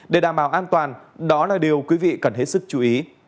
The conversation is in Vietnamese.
để đảm bảo an toàn đó là điều quý vị cần hết sức chú ý